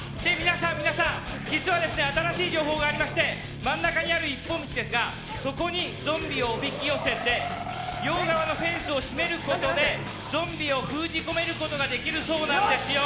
皆さん、実は新しい情報がありまして真ん中にある一本道にゾンビをおびき寄せて両側のフェンスを閉めることでゾンビを封じ込めることができるそうなんですよ。